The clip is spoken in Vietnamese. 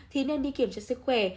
thì nên đi kiểm tra sức khỏe